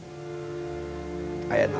cabarnya masih bangan dan juga